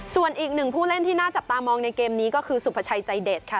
ส่วนอีกหนึ่งผู้เล่นที่น่าจับตามองในเกมนี้ก็คือสุภาชัยใจเด็ดค่ะ